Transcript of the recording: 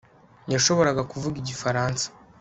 Yashoboraga kuvuga Igifaransa